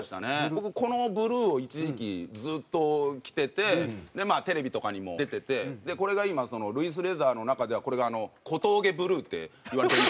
僕このブルーを一時期ずっと着ててまあテレビとかにも出ててこれが今ＬｅｗｉｓＬｅａｔｈｅｒｓの中ではこれが「小峠ブルー」っていわれてる。